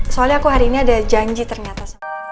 soalnya aku hari ini ada janji ternyata